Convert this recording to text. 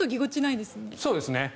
そうですね。